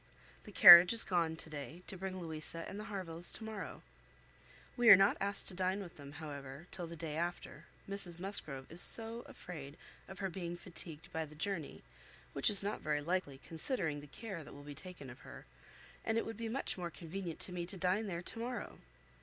The carriage is gone to day, to bring Louisa and the Harvilles to morrow. We are not asked to dine with them, however, till the day after, Mrs Musgrove is so afraid of her being fatigued by the journey, which is not very likely, considering the care that will be taken of her; and it would be much more convenient to me to dine there to morrow.